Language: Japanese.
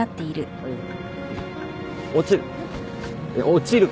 落ちる。